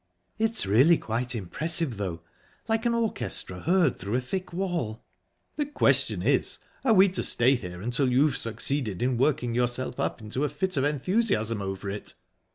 "It's really quite impressive, though. Like an orchestra heard through a thick wall." "The question is, are we to stay here until you've succeeded in working yourself up into a fit of enthusiasm over it?"